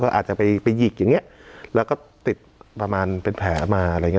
อาจจะไปหยิกอย่างเงี้ยแล้วก็ติดประมาณเป็นแผลมาอะไรอย่างเง